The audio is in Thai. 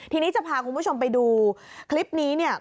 ทีนี้จะพาคุณผู้ชมไปดูคลิปนี้เนี่ย